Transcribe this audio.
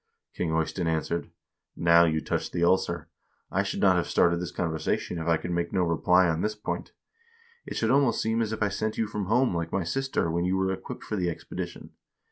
King Eystein answered :' Now you touched the ulcer. I should not have started this conversation if I could make no reply on this point. It should almost seem as if I sent you from home like my sister when you were equipped for the expedition.'